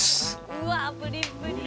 うわプリプリ。